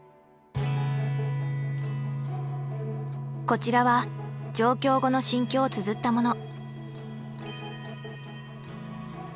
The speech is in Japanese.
こちらは上京後の心境をつづったもの。